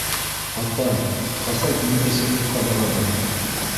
— Апай, ҡасан университетҡа барабыҙ?